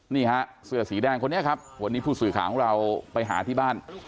นี่ฮะเสื้อสีแดงคนนี้ครับวันนี้ผู้สื่อข่าวของเราไปหาที่บ้าน